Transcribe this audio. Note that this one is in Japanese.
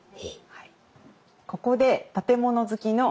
はい。